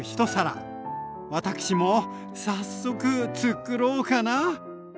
私も早速つくろうかな。